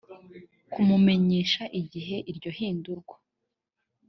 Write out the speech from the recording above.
kumumenyesha igihe iryo hindurwa